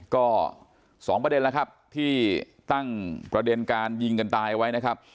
ก็๒ประเด็นแล้วครับที่ตั้งประเด็นการยิงกันตายเอาไว้นะครับ